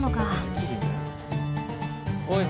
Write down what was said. おい。